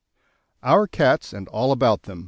] OUR CATS AND ALL ABOUT THEM.